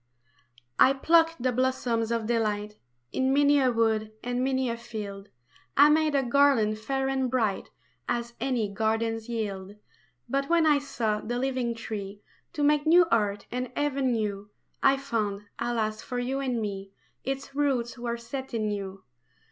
I PLUCKED the blossoms of delight In many a wood and many a field, I made a garland fair and bright As any gardens yield. But when I sought the living tree To make new earth and Heaven new, I found alas for you and me Its roots were set in you.